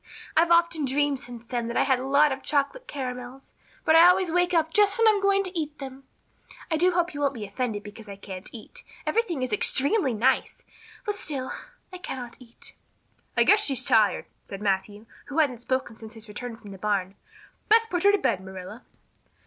I've often dreamed since then that I had a lot of chocolate caramels, but I always wake up just when I'm going to eat them. I do hope you won't be offended because I can't eat. Everything is extremely nice, but still I cannot eat." "I guess she's tired," said Matthew, who hadn't spoken since his return from the barn. "Best put her to bed, Marilla."